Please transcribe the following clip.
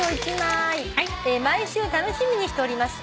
「毎週楽しみにしております。